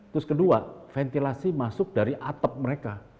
terus kedua ventilasi masuk dari atap mereka